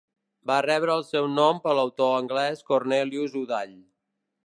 Va rebre el seu nom per l'autor anglès Cornelius Udall.